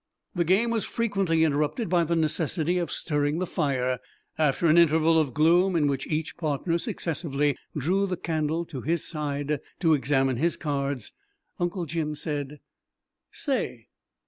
The game was frequently interrupted by the necessity of stirring the fire. After an interval of gloom, in which each partner successively drew the candle to his side to examine his cards, Uncle Jim said: "Say?"